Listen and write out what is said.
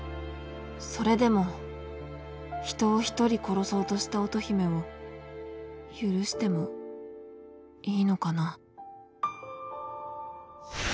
それでも人を１人殺そうとした乙姫を許してもいいのかな？